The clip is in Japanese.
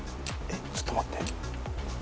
ちょっと待って。